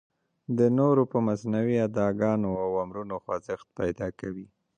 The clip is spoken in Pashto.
د نورو په مصنوعي اداګانو او امرونو خوځښت پیدا کوي.